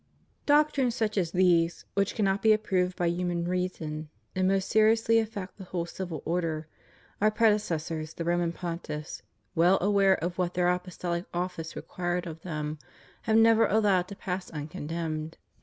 Doctrines such as these, which cannot be approved by human reason, and most seriously affect the whole civil order, Our predecessors the Roman Pontiffs (well aware of what their apostoUc office required of them) have never allowed to pass uncondemned.